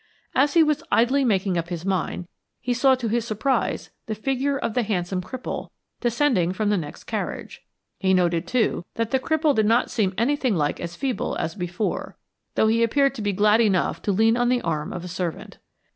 As he was idly making up his mind, he saw to his surprise the figure of the handsome cripple descending from the next carriage. He noted, too, that the cripple did not seem anything like as feeble as before, though he appeared to be glad enough to lean on the arm of a servant.